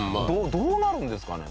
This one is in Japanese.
どうなるんですかね？